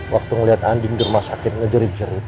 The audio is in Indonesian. waktu ngeliat andin di rumah sakit ngejerit jerit